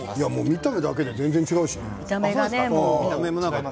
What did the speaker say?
見た目だけで全然違うしね。